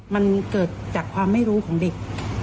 มันเกิดจากความไม่รู้ของเด็ก